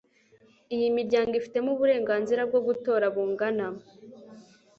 Iyi miryango ifitemo uburenganzira bwo gutora bungana